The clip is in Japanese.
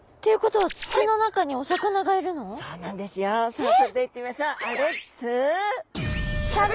さあそれではいってみましょう。